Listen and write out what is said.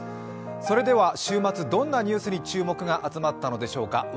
それでは週末どんな情報に注目が集まったのでしょうか。